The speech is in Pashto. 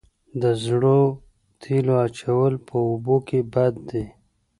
د زړو تیلو اچول په اوبو کې بد دي؟